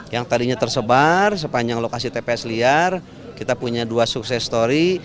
yang tadinya tersebar sepanjang lokasi tps liar kita punya dua sukses story